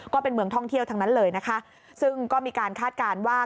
ก็เป็นเมืองท่องเที่ยวทั้งนั้นเลยนะคะซึ่งก็มีการคาดการณ์ว่า